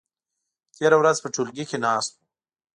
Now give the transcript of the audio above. تېره ورځ په ټولګي کې ناست وو.